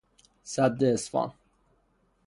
سد اسوان